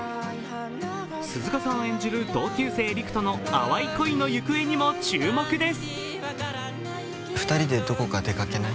鈴鹿さん演じる同級生・陸との淡い恋にも注目です。